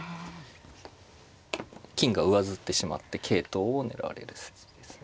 金が上ずってしまって桂頭を狙われる筋ですね。